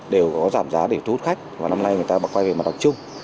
đều có giảm giá để thu hút khách và năm nay người ta quay về mặt đặc trưng